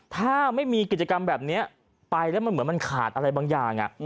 ถ้าไม่มีกิจกรรมแบบนี้ไปแล้วมันเหมือนมันขาดอะไรบางอย่าง